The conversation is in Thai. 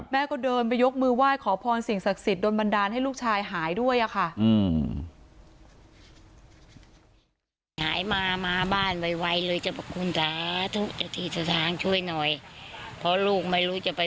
แม่ก็เดินไปยกมือไหว้ขอพรสิ่งศักดิ์สิทธิ์โดนบันดาลให้ลูกชายหายด้วยค่ะ